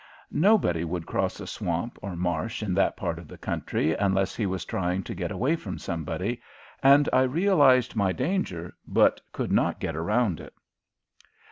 Nobody would cross a swamp or marsh in that part of the country unless he was trying to get away from somebody, and I realized my danger, but could not get around it.